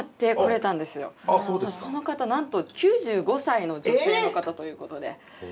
その方なんと９５歳の女性の方ということで。